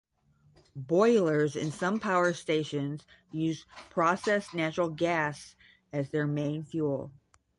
Boilers in some power stations use processed natural gas as their main fuel.